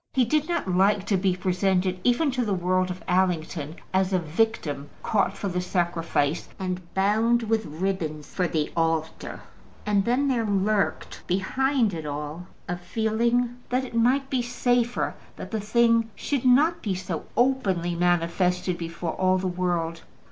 He did not like to be presented, even to the world of Allington, as a victim caught for the sacrifice, and bound with ribbon for the altar. And then there lurked behind it all a feeling that it might be safer that the thing should not be so openly manifested before all the world.